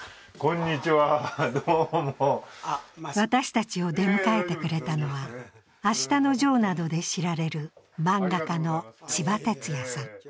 私たちを出迎えてくれたのは「あしたのジョー」などで知られる漫画家のちばてつやさん。